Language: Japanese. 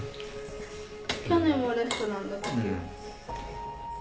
去年もレストランだったよ。